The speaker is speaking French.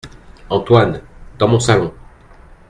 Antoine ! dans mon salon !